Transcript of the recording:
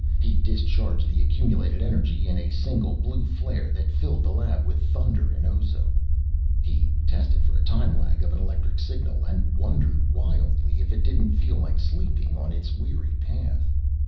He discharged the accumulated energy in a single blue flare that filled the lab with thunder and ozone. He tested for time lag of an electric signal and wondered wildly if it didn't feel like sleeping on its weary path.